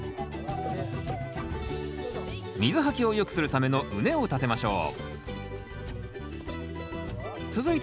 水はけをよくするための畝を立てましょう。